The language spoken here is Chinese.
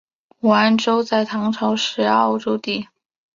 武安州在唐朝是沃州地。